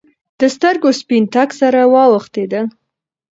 د سترګو سپین تک سره واوختېدل.